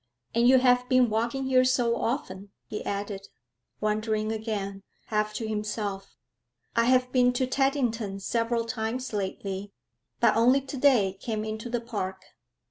And you have been walking here so often,' he added, wondering again, half to himself. 'I have been to Teddington several times lately, but only today came into the park.'